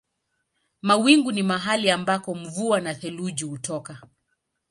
Mawingu ni mahali ambako mvua na theluji hutoka.